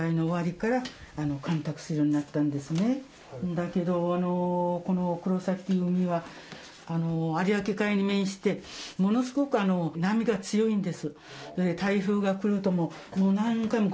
だけどあのこの黒崎の海は有明海に面してものすごく波が強いんです。